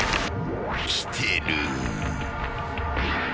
［来てる］